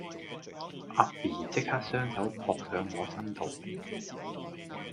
阿 B 即刻雙手撲上我身度